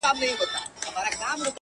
خو ما د لاس په دسمال ووهي ويده سمه زه.